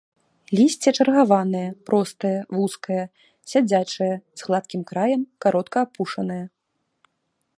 Лісце чаргаванае, простае, вузкае, сядзячае, з гладкім краем, каротка апушанае.